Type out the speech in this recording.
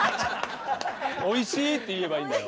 「おいしい」って言えばいいんだよ。